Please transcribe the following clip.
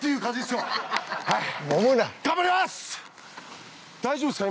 はい頑張ります！